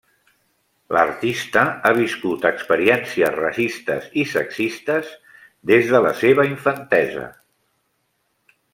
L’artista ha viscut experiències racistes i sexistes des de la seva infantesa.